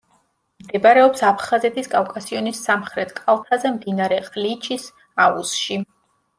მდებარეობს აფხაზეთის კავკასიონის სამხრეთ კალთაზე, მდინარე ყლიჩის აუზში.